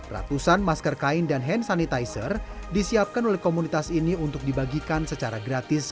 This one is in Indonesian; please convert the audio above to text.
ratusan masker kain dan hand sanitizer disiapkan oleh komunitas ini untuk dibagikan secara gratis